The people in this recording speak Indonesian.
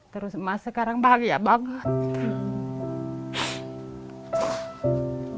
terus mas sekarang bahagia banget